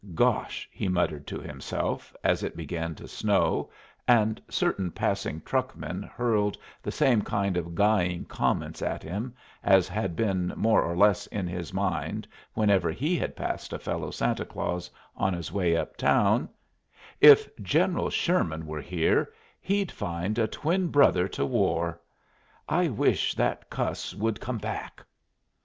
"Gosh!" he muttered to himself, as it began to snow, and certain passing truckmen hurled the same kind of guying comments at him as had been more or less in his mind whenever he had passed a fellow Santa Claus on his way up town, "if General Sherman were here he'd find a twin brother to War! I wish that cuss would come back."